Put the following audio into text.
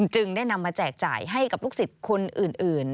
จึงได้นำมาแจกจ่ายให้กับลูกศิษย์คนอื่น